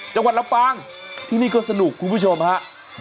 จังหวัดลำปางที่นี่ก็สนุกคุณผู้ชมฮะ